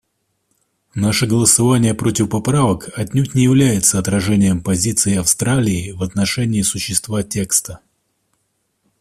Наше голосование против поправок отнюдь не является отражением позиции Австралии в отношении существа текста.